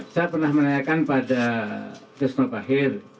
saya pernah menanyakan pada desno fahir